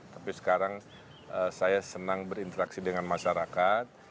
tapi sekarang saya senang berinteraksi dengan masyarakat